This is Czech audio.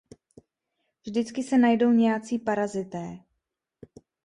Vždycky se najdou nějací parazité.